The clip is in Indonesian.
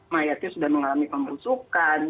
mayatnya sudah mengalami pembusukan